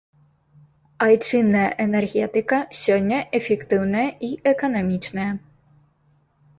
Айчынная энергетыка сёння эфектыўная і эканамічная.